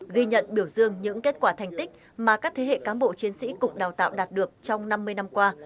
ghi nhận biểu dương những kết quả thành tích mà các thế hệ cán bộ chiến sĩ cục đào tạo đạt được trong năm mươi năm qua